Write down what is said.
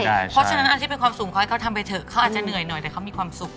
อาทิตย์เป็นความสุขเขาให้เขาทำไปเถอะเขาอาจจะเหนื่อยหน่อยแต่เขามีความสุข